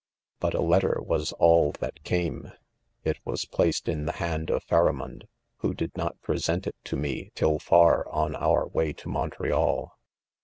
But a letter was all that came| it was placed in the hand of PharamoncL, who did not present it to me, till ■ far on our way to Montreal.